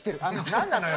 何なのよ！